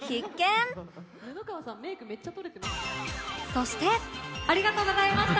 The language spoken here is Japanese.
そしてありがとうございました。